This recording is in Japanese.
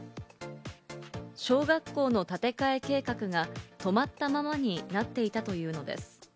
小学校の建て替え計画が止まったままになっていたというのです。